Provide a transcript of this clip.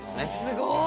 すごい。